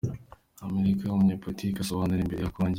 Amerika umunyeporitike azisobanura imbere ya Kongere